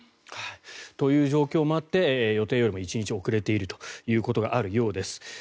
という状況もあって予定よりも１日遅れているということがあるようです。